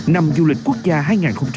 năm du lịch quốc gia đã được diễn ra